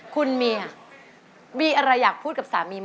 คุณเมียมีอะไรอยากพูดกับสามีไหม